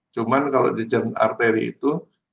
cuma kalau di jam arteri itu